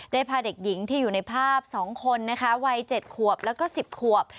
พาเด็กหญิงที่อยู่ในภาพ๒คนนะคะวัย๗ขวบแล้วก็๑๐ขวบ